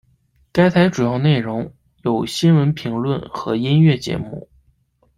该台主要内容有新闻评论和音乐节目。